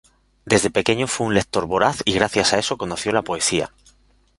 Desde pequeño fue un lector voraz y gracias a eso conoció la poesía.